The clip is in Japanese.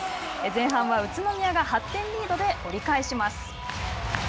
前半は宇都宮が８点リードで折り返します。